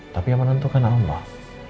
tapi yang menentukan allah